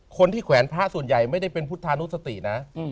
แขวนพระส่วนใหญ่ไม่ได้เป็นพุทธานุสตินะ